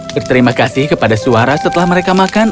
berterima kasih kepada suara setelah mereka makan